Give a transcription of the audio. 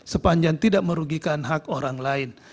sepanjang tidak merugikan hak orang lain